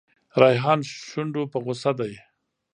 ریحان شونډو په غوسه دی.